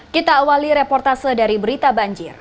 kita awali reportase dari berita banjir